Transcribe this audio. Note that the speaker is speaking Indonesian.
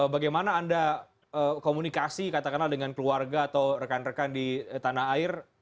bagaimana anda komunikasi katakanlah dengan keluarga atau rekan rekan di tanah air